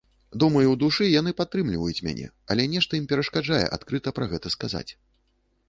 Думаю, ў душы яны падтрымліваюць мяне, але нешта ім перашкаджае адкрыта пра гэта сказаць.